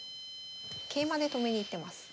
桂馬で止めに行ってます。